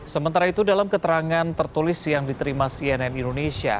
sementara itu dalam keterangan tertulis yang diterima cnn indonesia